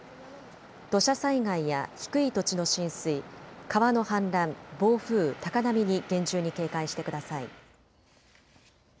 土砂災害や低い土地の浸水、川の氾濫、暴風、高波に厳重に警戒してください。